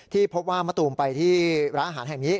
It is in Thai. พบว่ามะตูมไปที่ร้านอาหารแห่งนี้